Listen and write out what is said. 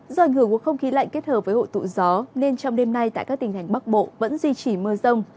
do ảnh hưởng của không khí lạnh kết hợp với hội tụ gió nên trong đêm nay tại các tỉnh thành bắc bộ vẫn duy trì mưa rông